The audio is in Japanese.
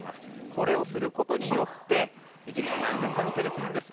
これをすることによって１日、何千本も手で摘むんです。